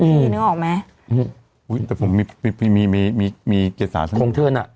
พี่นึกออกไหมอุ้ยแต่ผมมีมีมีมีเกษตรสักอย่างโรงเทิร์นอ่ะ